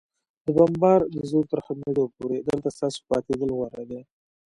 د بمبار د زور تر ختمېدو پورې، دلته ستاسو پاتېدل غوره دي.